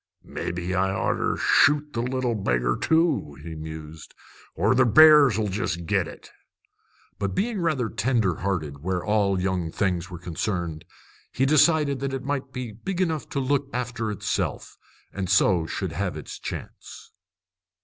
"Mebbe I'd oughter shoot the little beggar too," he mused, "or the bears 'll jest get it!" But being rather tender hearted where all young things were concerned, he decided that it might be big enough to look after itself, and so should have its chance.